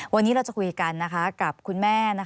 วันนี้เราจะคุยกันกับคุณแม่